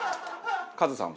カズさんは？